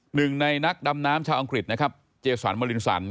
หนึ่งในนักดำน้ำชาวอังกฤษนะครับเจสันมรินสัน